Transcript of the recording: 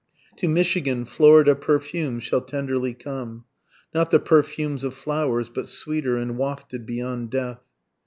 To Michigan, Florida perfumes shall tenderly come, Not the perfumes of flowers, but sweeter, and wafted beyond death.